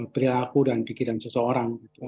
perilaku dan pikiran seseorang